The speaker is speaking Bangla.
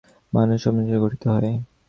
মানুষ মনুষ্যসমাজেই গঠিত হয়।